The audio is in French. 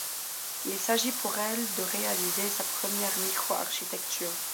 Il s'agit pour elle de réaliser sa première micro-architecture.